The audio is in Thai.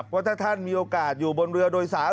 ว่าถ้าท่านมีโอกาสอยู่บนเรือโดยสาร